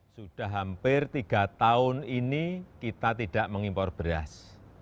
sudah hampir tiga tahun ini kita tidak mengimpor beras